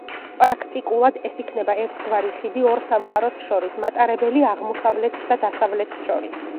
პრაქტიკულად, ეს იქნება ერთგვარი ხიდი ორ სამყაროს შორის – მატარებელი აღმოსავლეთს და დასავლეთს შორის.